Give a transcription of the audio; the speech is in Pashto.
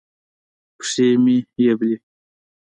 پښې مې یبلي